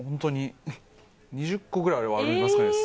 ２０個ぐらいありますかね。